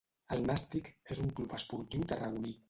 El Nàstic és un club esportiu tarragoní.